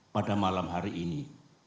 pada malam hari ini